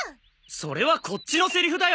それはこっちのセリフだよ！